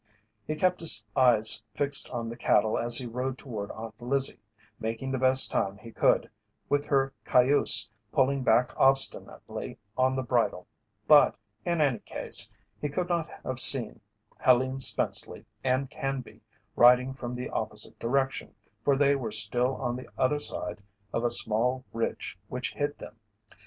He kept his eyes fixed on the cattle as he rode toward Aunt Lizzie, making the best time he could, with her cayuse pulling back obstinately on the bridle, but, in any case, he could not have seen Helene Spenceley and Canby riding from the opposite direction, for they were still on the other side of a small ridge which hid them.